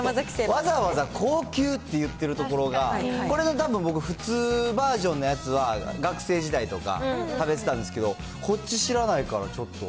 わざわざ高級って言ってるところが、これ、たぶん普通バージョンのやつは学生時代とか、食べてたんですけど、こっち知らないから、ちょっと。